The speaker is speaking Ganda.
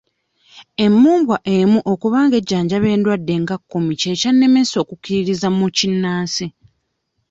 Emmumbwa emu okuba ng'ejjanjaba endwadde nga kkumi kye kyannemesa okukkiririza mu kinnansi.